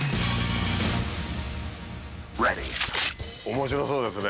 面白そうですね。